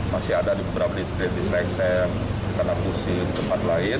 masih ada di beberapa daerah di serengseng tanah kusir tempat lain